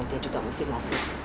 dia juga mesti masuk